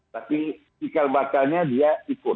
tapi cikal bakalnya dia ikut